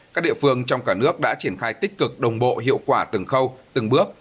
các địa phương trong cả nước đã triển khai tích cực đồng bộ hiệu quả từng khâu từng bước